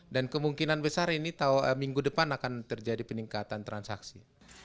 dan kemungkinan besar ini minggu depan akan terjadi peningkatan transaksi